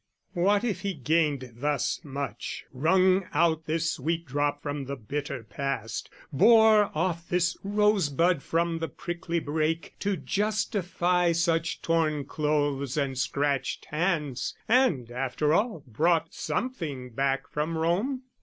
What if he gained thus much, Wrung out this sweet drop from the bitter Past, Bore off this rose bud from the prickly brake, To justify such torn clothes and scratched hands, And, after all, brought something back from Rome?